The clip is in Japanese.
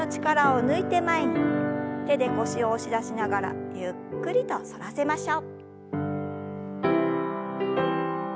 手で腰を押し出しながらゆっくりと反らせましょう。